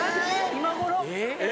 ・今頃？